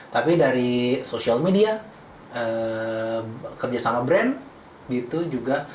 tapi dari social media kerjasama brand gitu juga